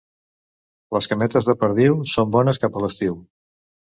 Les cametes de perdiu són bones cap a l'estiu.